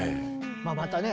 まあまたね